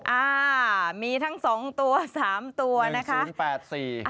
อ่ามีทั้ง๒ตัว๓ตัวนะคะ